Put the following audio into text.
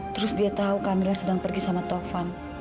terus dia tahu kamila sedang pergi sama taufan